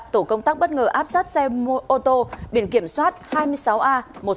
tổ công tác bất ngờ áp sát xe ô tô biển kiểm soát hai mươi sáu a một mươi sáu nghìn năm trăm linh tám